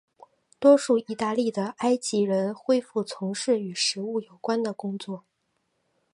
多数义大利的埃及人恢从事与食物有关的工作。